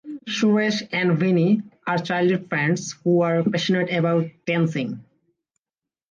Suresh and Vinnie are childhood friends who are passionate about dancing.